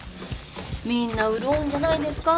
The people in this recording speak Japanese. みんな潤うんじゃないですか？